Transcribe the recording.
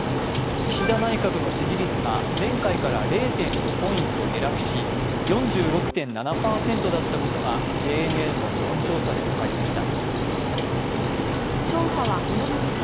岸田内閣の支持率が前回から０．５ポイント下落し、４６．７％だったことがＪＮＮの世論調査で分かりました。